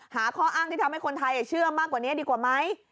ข้ออ้างที่ทำให้คนไทยเชื่อมากกว่านี้ดีกว่าไหม